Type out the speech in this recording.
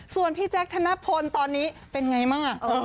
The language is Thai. ส่วนพี่แจ๊คธนพลตอนนี้เป็นไงบ้าง